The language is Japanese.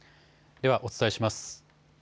ではお伝えします。